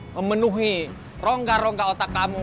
memenuhi rongga rongga otak kamu